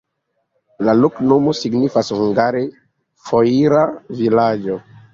La loknomo signifas hungare: foira-vilaĝo.